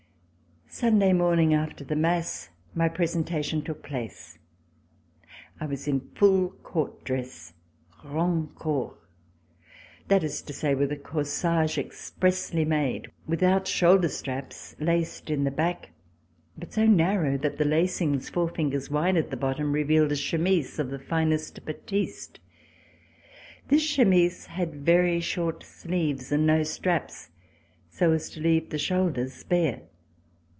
Sunday morning after the mass my presentation took place. I was in full court dress {grand corps), that is to say, with a corsage expressly made, with out shoulder straps, laced in the back, but so narrow that the lacings, four fingers wide at the bottom, revealed a chemise of the finest batiste. This chemise had very short sleeves and no straps, so as to leave the shoulders bare.